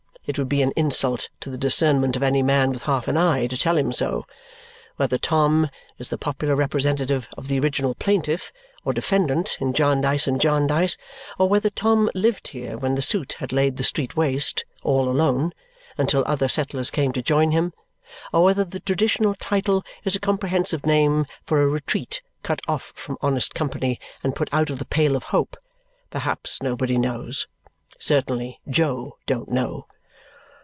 It would be an insult to the discernment of any man with half an eye to tell him so. Whether "Tom" is the popular representative of the original plaintiff or defendant in Jarndyce and Jarndyce, or whether Tom lived here when the suit had laid the street waste, all alone, until other settlers came to join him, or whether the traditional title is a comprehensive name for a retreat cut off from honest company and put out of the pale of hope, perhaps nobody knows. Certainly Jo don't know.